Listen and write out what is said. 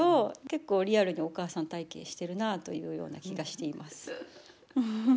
結構リアルにお母さん体験してるなというような気がしています。